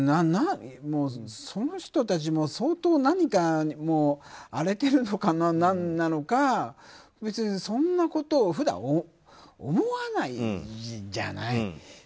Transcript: その人たちも相当何か荒れてるのか何なのかそんなことを普段思わないじゃない。